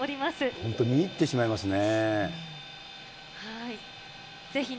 本当に見入ってしまいますね。